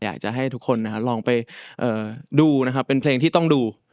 อยากจะให้ทุกคนลองไปดูนะครับเป็นเพลงที่ต้องดู